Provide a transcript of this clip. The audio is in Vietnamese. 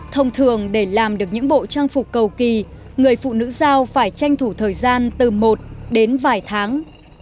thông thường để làm được những bộ trang phục cầu kỳ người phụ nữ giao phải tranh thủ thời gian từ một đến vài tháng